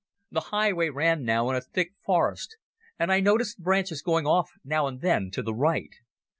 The highway ran now in a thick forest and I noticed branches going off now and then to the right.